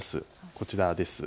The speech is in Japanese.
こちらです。